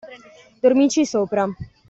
Dormirci sopra.